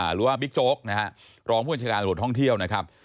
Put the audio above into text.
หรือว่าบิ๊กโจ๊กล์นะกล้องผู้บัญชาการรวดห้องเที่ยวนะครับ